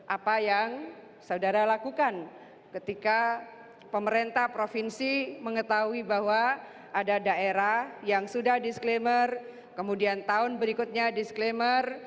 apa yang saudara lakukan ketika pemerintah provinsi mengetahui bahwa ada daerah yang sudah disclaimer kemudian tahun berikutnya disclaimer